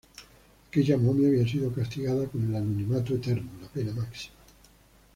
Aquella momia había sido castigada con el anonimato eterno, la pena máxima.